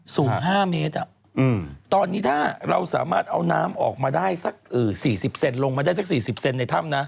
สูง๕เมตรตอนนี้ถ้าเราสามารถเอาน้ำออกมาได้สัก๔๐เซนลงมาได้สัก๔๐เซนในถ้ำนะ